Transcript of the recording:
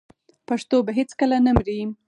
پښتو به هیڅکله نه مري.